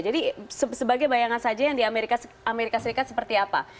jadi sebagai bayangan saja yang di amerika serikat seperti apa